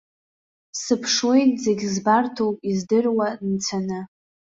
Сыԥшуеит зегь збарҭоу-издыруа нцәаны.